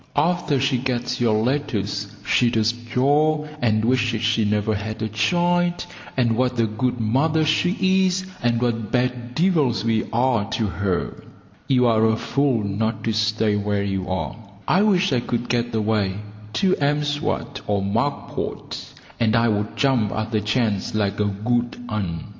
After she gets your letters she does jaw, and wishes she never had a child, and what a good mother she is, and what bad devils we are to her. You are a fool not to stay where you are. I wish I could get away to M'Swat or Mack Pot, and I would jump at the chance like a good un.